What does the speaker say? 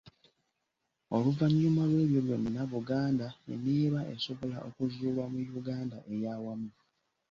Oluvannyuma lw’ebyo byonna, Buganda eneeba esobola okuzuulwa mu Uganda ey’awamu.